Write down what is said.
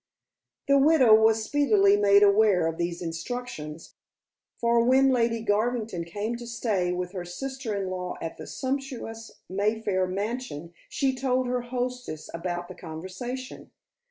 The widow was speedily made aware of these instructions, for when Lady Garvington came to stay with her sister in law at the sumptuous Mayfair mansion, she told her hostess about the conversation.